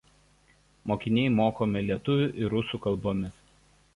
Mokiniai mokomi lietuvių ir rusų kalbomis.